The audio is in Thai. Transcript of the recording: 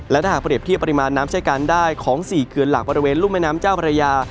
และถ้าหากเรียบเทียบปริมาณน้ำใช้การได้ของ๔เขื่อนหลักบริเวณรุ่นแม่น้ำเจ้าพระยา